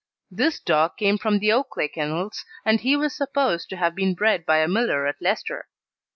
This dog came from the Oakley Kennels, and he was supposed to have been bred by a miller at Leicester.